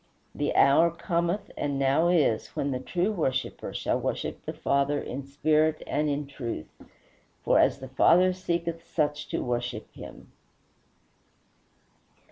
The hour cometh and now is when the true worshipper shall worship the Father in spirit and in truth, for the Father seeketh such to worship him.